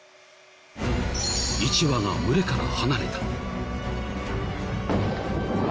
１羽が群れから離れた。